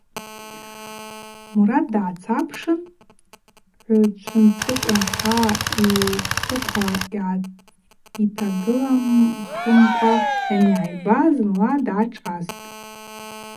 Мурат дгӏацапшын, гӏвчвынцӏыкӏ рахӏа йцӏыхъва йтагылахымкӏва йангӏайба зынла дгӏашӏастӏ.